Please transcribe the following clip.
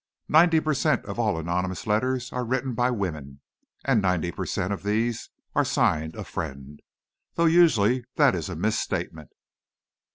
"Ninety per cent. of all anonymous letters are written by women, and ninety per cent. of these are signed 'A Friend.' Though usually that is a misstatement."